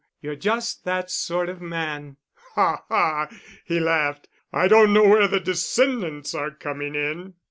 You're just that sort of man." "Ha, ha!" he laughed. "I don't know where the descendants are coming in."